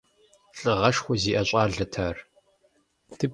Лӏыгъэшхуэ зиӏэ щӏалэт ар.